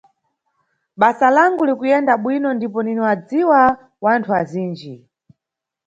Basa langu likuyenda bwino ndipo ninyadziwa wanthu azinji.